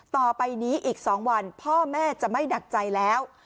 ต่อไปนี้อีก๒วันพ่อแม่จะไม่หนักใจแล้ว